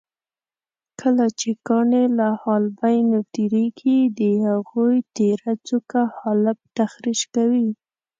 کله چې کاڼي له حالبینو تېرېږي د هغوی تېره څوکه حالب تخریش کوي.